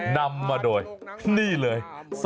นำมาโดยนี่เลย